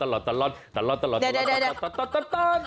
ร้องไปก็ตลอด